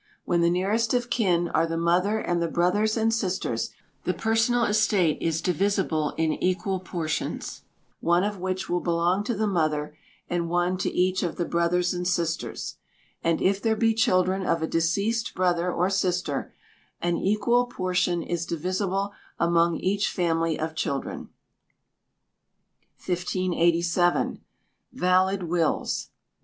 When the nearest of kin are the mother and the brothers and sisters, the personal estate is divisible in equal portions, one of which will belong to the mother, and one to each of the brothers and sisters; and if there be children of a deceased brother or sister, an equal portion is divisible among each family of children. 1587. Valid Wills (1).